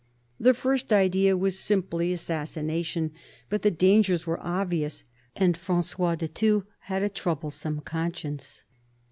The first idea was simply assassination ; but the dangers were obvious, and Frangois de Thou had a troublesome conscience.